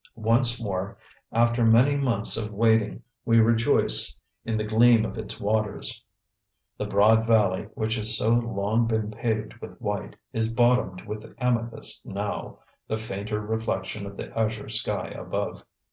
Once more, after many months of waiting we rejoice in the gleam of its waters. The broad valley, which has so long been paved with white, is bottomed with amethyst now, the fainter reflection of the azure sky above.